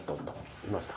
いました。